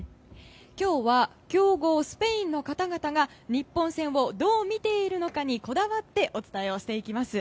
今日は、強豪スペインの方々が日本戦をどう見ているかにこだわってお伝えします。